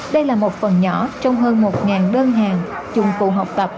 đây là một phần nhỏ trong hơn một đơn hàng dùng cụ học tập